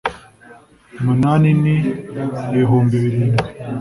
munani n ibihumbi birindwi